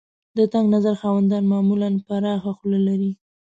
د تنګ نظر خاوندان معمولاً پراخه خوله لري.